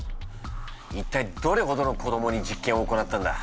一体どれほどの子どもに実験を行ったんだ？